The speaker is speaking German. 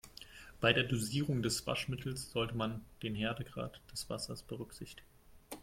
Bei der Dosierung des Waschmittels sollte man den Härtegrad des Wassers berücksichtigen.